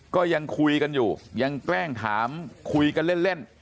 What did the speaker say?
ก็ยังคุยกันอยู่ยังแกล้งถามคุยกันเล่น